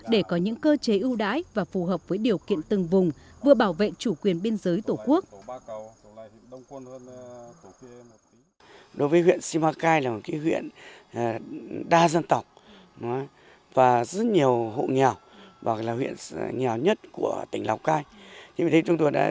để có những cơ chế ưu đãi và phù hợp với điều kiện từng vùng vừa bảo vệ chủ quyền biên giới tổ quốc